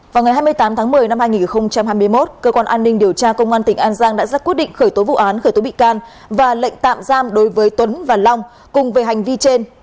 vào ngày hai mươi tám tháng một mươi năm hai nghìn hai mươi một cơ quan an ninh điều tra công an tỉnh an giang đã ra quyết định khởi tố vụ án khởi tố bị can và lệnh tạm giam đối với tuấn và long cùng về hành vi trên